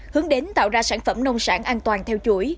hướng đến tạo ra sản phẩm nông sản an toàn theo chuỗi